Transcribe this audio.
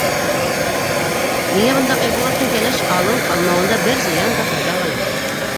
Миңә бында Айбулаттың кәләш алыу-алмауында бер зыян да, файҙа ла юҡ.